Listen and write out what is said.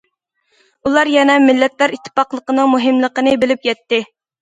ئۇلار يەنە مىللەتلەر ئىتتىپاقلىقىنىڭ مۇھىملىقىنى بىلىپ يەتتى.